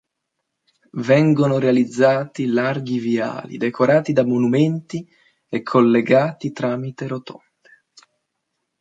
Vengono realizzati larghi viali decorati da monumenti e collegati tramite rotonde.